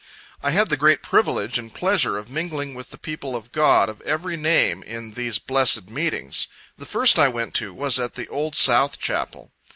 I had the great privilege and pleasure of mingling with the people of God of every name, in these blessed meetings. The first I went to, was at the old South Chapel.